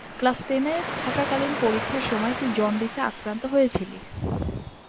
Class টেনে থাকাকালীন পরীক্ষার সময় তুই জন্ডিসে আক্রান্ত হয়েছিলি।